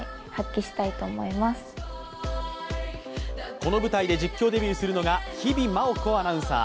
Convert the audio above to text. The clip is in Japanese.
この舞台で実況デビューするのが日比麻音子アナウンサー。